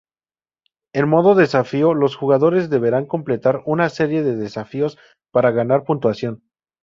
En modo desafío, los jugadores deberán completar una serie de desafíos para ganar puntuación.